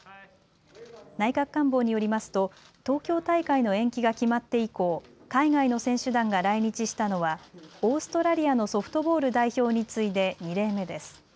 内閣官房によりますと東京大会の延期が決まって以降、海外の選手団が来日したのはオーストラリアのソフトボール代表に次いで２例目です。